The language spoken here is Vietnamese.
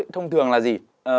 thông thường là gì